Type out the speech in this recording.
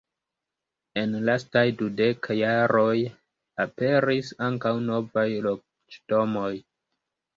En lastaj dudeka jaroj aperis ankaŭ novaj loĝdomoj.